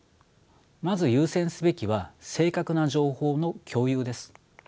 まず優先すべきは正確な情報の共有です。